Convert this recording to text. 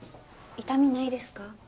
痛みないですか？